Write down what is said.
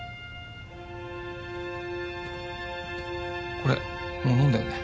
これもう飲んだよね？